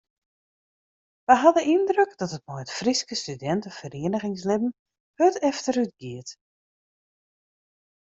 Wy ha de yndruk dat it mei it Fryske studinteferieningslibben hurd efterútgiet.